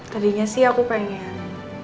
tadinya sih aku pengen